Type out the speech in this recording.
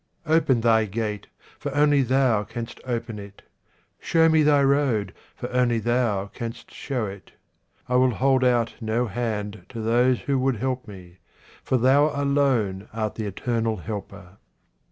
Open Thy gate, for only Thou canst open it. Show me Thy road, for only Thou canst show it. I will hold out no hand to those who would help me, for Thou alone art the eternal helper.